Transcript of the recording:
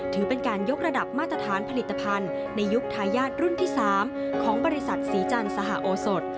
ถือเป็นการยกระดับมาตรฐานผลิตภัณฑ์ในยุคทายาทรุ่นที่๓ของบริษัทศรีจันทร์สหโอสด